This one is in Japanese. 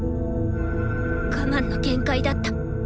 我慢の限界だった。